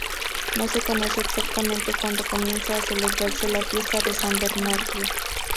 No se conoce exactamente cuándo comienza a celebrarse la Fiesta de San Bernardino.